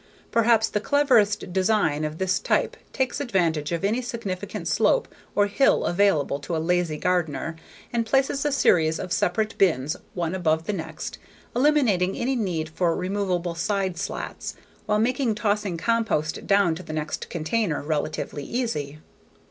Perhaps the cleverest design of this type takes advantage of any significant slope or hill available to a lazy gardener and places a series of separate bins one above the next, eliminating any need for removable side slats while making tossing compost down to the next container relatively easy.